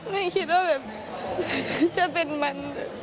ไม่คิดว่าแบบจะเป็นมัน